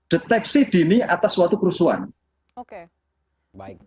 deteksi dini atas suatu kealpa